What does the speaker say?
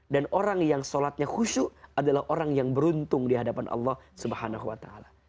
dan orang yang sholatnya khusyuk adalah orang yang beruntung di hadapan allah swt